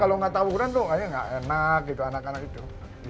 kalau nggak tauran tuh aja nggak enak gitu anak anak itu